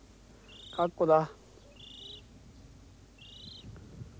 カッコウだ。